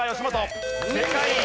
正解！